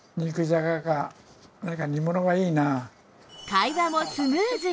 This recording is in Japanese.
会話もスムーズに！